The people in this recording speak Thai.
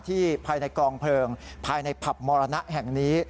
ภายในกองเพลิงภายในผับมรณะแห่งนี้